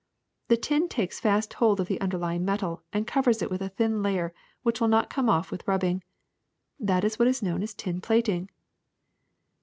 The tin takes fast hold of the underlying metal and covers it with a thin layer which will not come off with rubbing. That is what is known as tin plating.''